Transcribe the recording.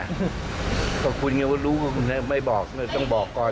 ถ้าคุณอย่างเงียบจะไปรู้คงไม่บอกก็ต้องบอกก่อน